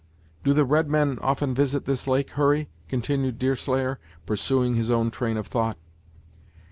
"Do the redmen often visit this lake, Hurry?" continued Deerslayer, pursuing his own train of thought.